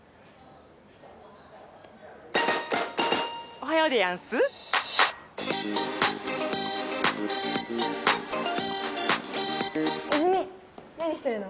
おはようでやんす泉何してるの？